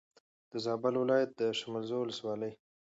د زابل ولایت د شملزو ولسوالي